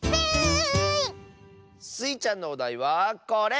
スイちゃんのおだいはこれ！